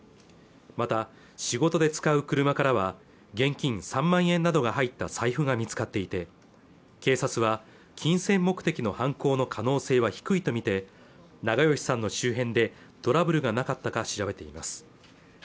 また仕事で使う車からは現金３万円などが入った財布が見つかっていて警察は金銭目的の犯行の可能性は低いとみて長葭さんの周辺でトラブルがなかったか調べています